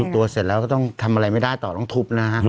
ต้องทำอะไรไม่ได้ต่อต้องทุบ